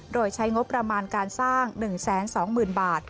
โดยใช้งบประมาณการสร้าง๑๒๐๐๐บาท